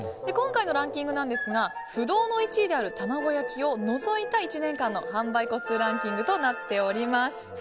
今回のランキングですが不動の１位であるたまご焼きを除いた１年間の販売個数ランキングとなっております。